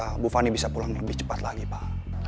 ibu fani bisa pulang lebih cepat lagi pak